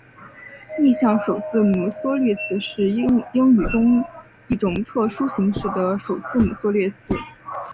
逆向首字母缩略词是英语中一种特殊形式的首字母缩略词。